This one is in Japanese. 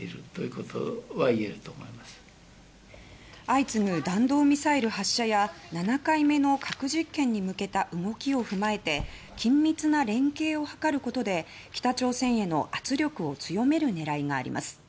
相次ぐ弾道ミサイル発射や７回目の核実験に向けた動きを踏まえて緊密な連携を図ることで北朝鮮への圧力を強める狙いがあります。